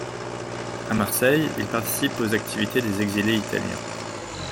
À Marseille, il participe aux activités des exilés italiens.